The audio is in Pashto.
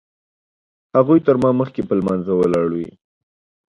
هغوی تر ما مخکې په لمانځه ولاړ وي.